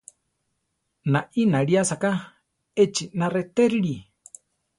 Naí náli asáka, echina retérili.